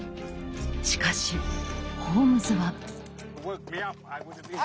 しかしホームズは。